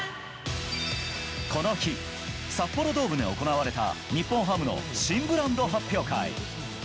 この日、札幌ドームで行われた日本ハムの新ブランド発表会。